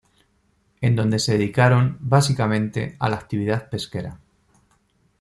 En donde se dedicaron, básicamente, a la actividad pesquera.